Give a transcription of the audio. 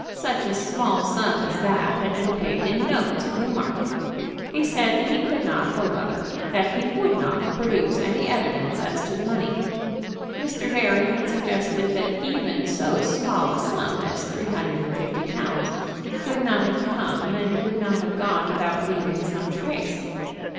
Such a small sum as that had been paid in notes at Newmarket. He said that he could not, or, rather, that he would not, produce any evidence as to the money. Mr. Barry had suggested that even so small a sum as three hundred and fifty pounds could not have come and could not have gone without leaving some trace.